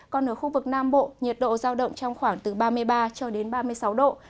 còn ở khu vực nam bộ nhiệt độ giao động trong khoảng từ ba mươi ba cho đến ba mươi sáu độ